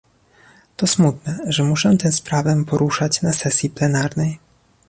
To smutne, że muszę tę sprawę poruszać na sesji plenarnej